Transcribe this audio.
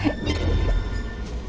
yang nemplok siapa